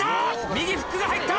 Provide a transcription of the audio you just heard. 右フックが入った！